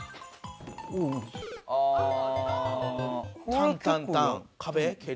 タンタンタン壁蹴り？